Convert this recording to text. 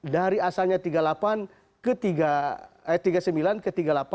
dari asalnya tiga delapan ke tiga sembilan ke tiga delapan